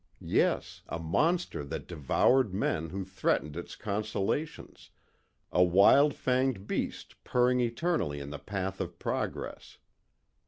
Yes, a monster that devoured men who threatened its consolations, a wild fanged beast purring eternally in the path of progress.